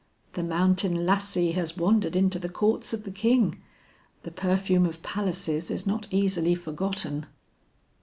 "The mountain lassie has wandered into the courts of the king. The perfume of palaces is not easily forgotten."